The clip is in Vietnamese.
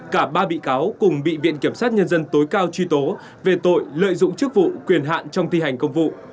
cả ba bị cáo cùng bị viện kiểm sát nhân dân tối cao truy tố về tội lợi dụng chức vụ quyền hạn trong thi hành công vụ